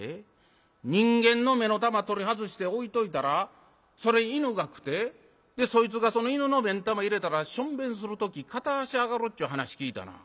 人間の目の玉取り外して置いといたらそれ犬が食うてそいつがその犬の目ん玉入れたらしょんべんする時片足上がるっちゅう噺聴いたな。